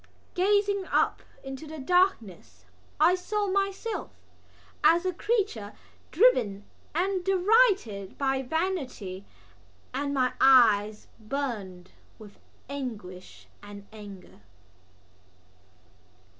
Gazing up into the darkness I saw myself as a creature driven and derided by vanity; and my eyes burned with anguish and anger.